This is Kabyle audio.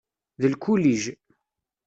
D lkulij.